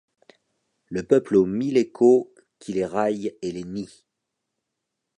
Le peuple aux mille échos qui les raille et les nie !